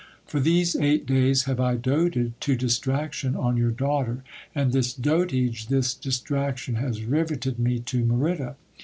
For these eight days have I doted to distraction on your daughter ; and this dotage, this dis traction, has riveted me to Merida.